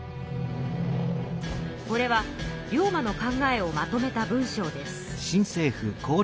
これは龍馬の考えをまとめた文章です。